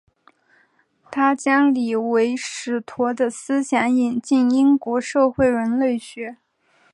他将李维史陀的思想引进英国社会人类学。